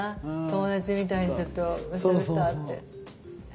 友達みたいにちょっとどうしたどうしたって。